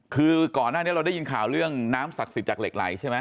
คือก่อนหน้านี้เราได้ยินข่าวเรื่องน้ำศักดิ์สิทธิ์จากเหล็กไหลใช่ไหม